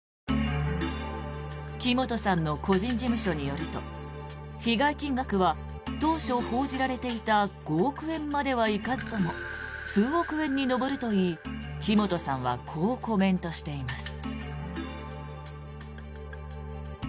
木本さんの個人事務所によると被害金額は当初報じられていた５億円まではいかずとも数億円に上るといい木本さんはこうコメントしているといいます。